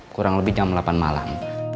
kurang lebih jam delapan malam